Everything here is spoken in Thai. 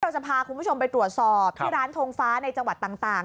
จะพาคุณผู้ชมไปตรวจสอบที่ร้านทงฟ้าในจังหวัดต่าง